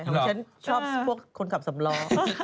ฉันชอบพวกคนขับสำล้อ